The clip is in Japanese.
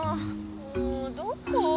もうどこ？